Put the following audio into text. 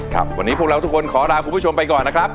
ครับวันนี้พวกเราทุกคนขอลาคุณผู้ชมไปก่อนนะครับ